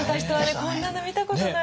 「こんなの見たことない！」